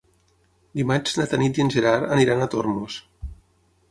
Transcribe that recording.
Dimarts na Tanit i en Gerard aniran a Tormos.